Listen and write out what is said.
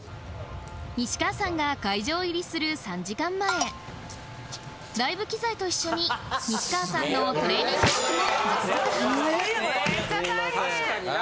西川さんが会場入りする３時間前ライブ機材と一緒に西川さんのトレーニング機器も続々搬入確かにな。